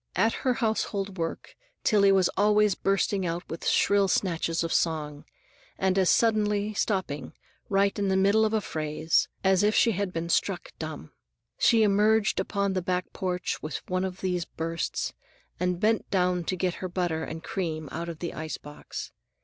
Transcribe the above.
At her household work Tillie was always bursting out with shrill snatches of song, and as suddenly stopping, right in the middle of a phrase, as if she had been struck dumb. She emerged upon the back porch with one of these bursts, and bent down to get her butter and cream out of the ice box.